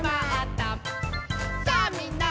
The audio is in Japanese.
「さあみんな！